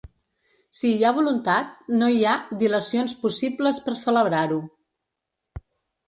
Si hi ha voluntat, no hi ha dil·lacions possibles per celebrar-lo.